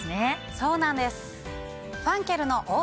そうなんです。